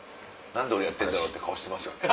何で俺やってんだろう？って顔してますよね。